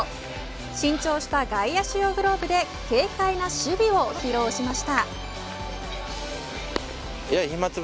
新調した外野手用グローブで軽快な守備を披露しました。